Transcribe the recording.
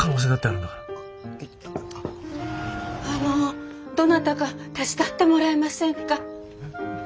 あのどなたか手伝ってもらえませんか？